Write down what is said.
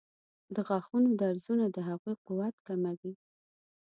د غاښونو درزونه د هغوی قوت کموي.